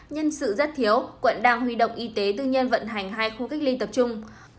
nhân sự rất thiếu quận đang huy động y tế tư nhân vận hành hai khu cách ly tập trung